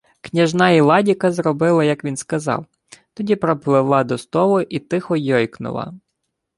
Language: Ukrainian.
Княжна Іладіка зробила, як він сказав, тоді пропливла до столу й тихо йойкнула: